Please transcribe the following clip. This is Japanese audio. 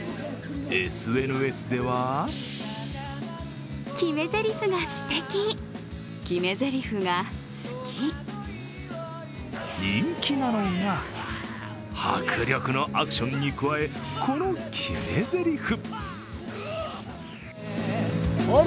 ＳＮＳでは人気なのが、迫力のアクションに加え、この決めぜりふ。